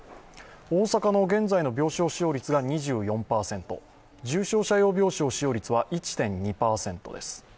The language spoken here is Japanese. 大阪の現在の病床使用率が２４％重症者用病床使用率は１．２％です。